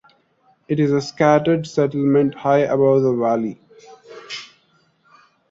It is a scattered settlement high above the valley.